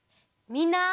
みんな。